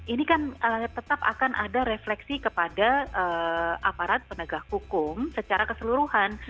ini kan tetap akan ada refleksi kepada aparat penegak hukum secara keseluruhan